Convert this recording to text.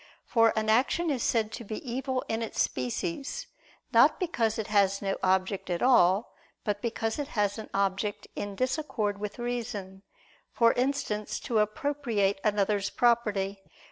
For an action is said to be evil in its species, not because it has no object at all; but because it has an object in disaccord with reason, for instance, to appropriate another's property.